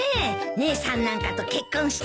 姉さんなんかと結婚してさ。